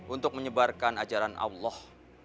untuk menyebarkan ajaran allah